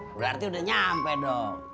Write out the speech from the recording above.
berarti udah nyampe dong